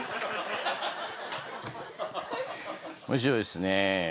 面白いですねぇ。